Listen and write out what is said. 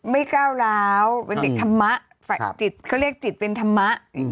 ก้าวร้าวเป็นเด็กธรรมะจิตเขาเรียกจิตเป็นธรรมะ